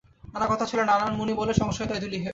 নানা কথার ছলে নানান মুনি বলে, সংশয়ে তাই দুলি হে।